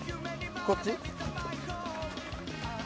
こっち？